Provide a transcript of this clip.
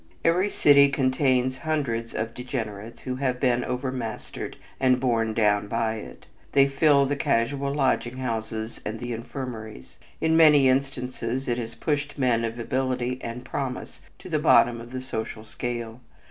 Every city contains hundreds of degenerates who have been over mastered and borne down by it; they fill the casual lodging houses and the infirmaries. In many instances it has pushed men of ability and promise to the bottom of the social scale.